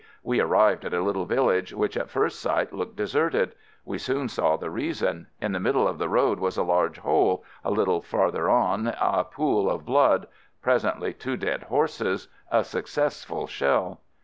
We arrived at a little village which at first sight looked deserted. We soon saw the reason. In the middle of the road was a large hole, a little farther on a pool of blood — presently two dead horses — a successful shell.